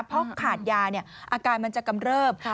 เพราะขาดยาอาการมันจะกำเริบ